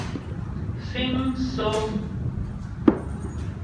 Fíŋ msó.